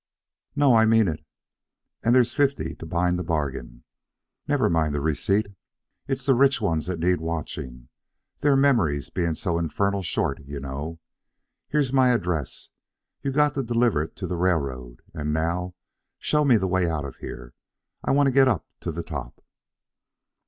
"No; I mean it. And there's fifty to bind the bargain. Never mind the receipt. It's the rich ones that need watching, their memories being so infernal short, you know. Here's my address. You've got to deliver it to the railroad. And now, show me the way out of here. I want to get up to the top."